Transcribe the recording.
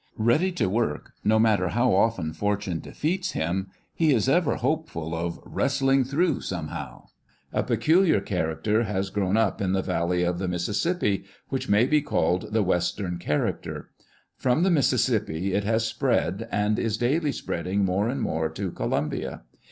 Ready to work, no matter how often fortune defeats him, he is ever hopeful of "wrestling through somehow." A peculiar character has grown up in the valley of the Mis sissippi, which may be called the Western cha racter. Prom the Mississippi it has spread, and is daily spreading more and more to Columbia.